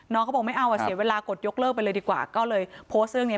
เขาบอกไม่เอาอ่ะเสียเวลากดยกเลิกไปเลยดีกว่าก็เลยโพสต์เรื่องนี้